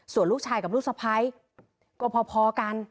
ส่วนลูกชายกับลูกสะพ้ายก็พอกัน